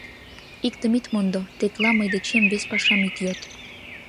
— Иктым ит мондо: тетла мый дечем вес пашам ит йод.